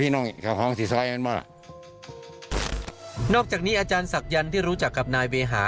นอกจากนี้อาจารย์ศักยันต์ที่รู้จักกับนายเวหา